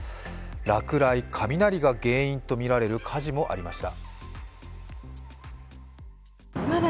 落雷、雷が原因とみられる火事もありました。